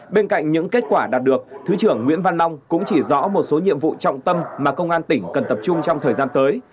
bên cạnh những kết quả đạt được thứ trưởng nguyễn văn long cũng chỉ rõ một số nhiệm vụ trọng tâm mà công an tỉnh cần tập trung trong thời gian tới